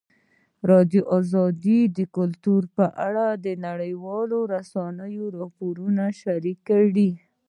ازادي راډیو د کلتور په اړه د نړیوالو رسنیو راپورونه شریک کړي.